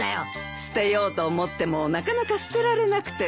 捨てようと思ってもなかなか捨てられなくてね。